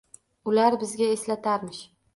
Ular bizga eslatarmish